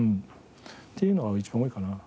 っていうのが一番多いかな。